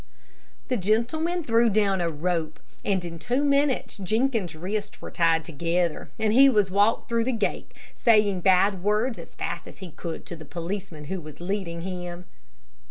The gentleman threw down a rope, and in two minutes Jenkins' wrists were tied together, and he was walked through the gate, saying bad words as fast as he could to the policeman who was leading him.